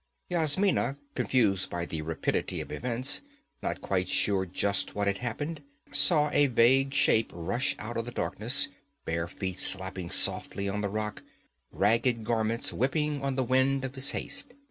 Yasmina, confused by the rapidity of events, not quite sure just what had happened, saw a vague shape rush out of the darkness, bare feet slapping softly on the rock, ragged garments whipping on the wind of his haste.